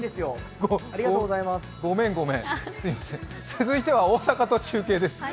続いては、大阪と中継です。